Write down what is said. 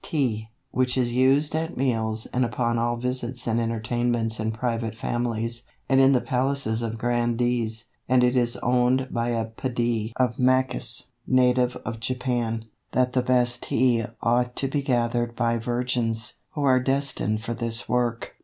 Tea, which is used at meals and upon all visits and entertainments in private families, and in the palaces of grandees; and it is owned by a padee of Macas, native of Japan, that the best Tea ought to be gathered by virgins, who are destined for this work.